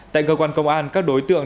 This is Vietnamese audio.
tại cơ quan công an các đối tượng